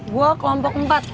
gue kelompok empat